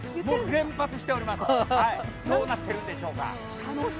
連発しております、どうなっているでしょうか。